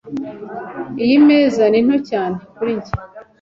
Iyi meza ni nto cyane. kuri njye .